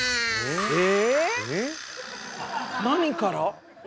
え⁉何から？